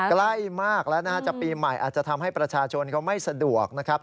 ใกล้มากแล้วนะฮะจะปีใหม่อาจจะทำให้ประชาชนเขาไม่สะดวกนะครับ